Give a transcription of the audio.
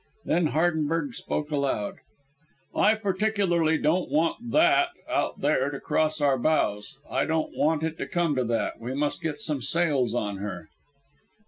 Then Hardenberg spoke aloud. "I particularly don't want that out there to cross our bows. I don't want it to come to that. We must get some sails on her."